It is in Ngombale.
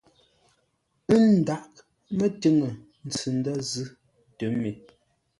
Ə́ ndághʼ mətiŋə ntsʉ ndə̂ zʉ́ tə mê.